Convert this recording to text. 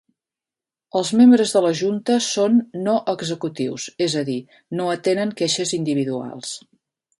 Els membres de la junta són no executius, és a dir, no atenen queixes individuals.